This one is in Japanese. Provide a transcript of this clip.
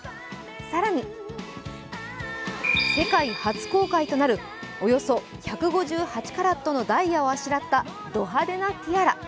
更に世界初公開となるおよそ１５８カラットのダイヤをあしらったド派手なティアラ。